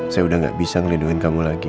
saya udah gak bisa ngelindungin kamu lagi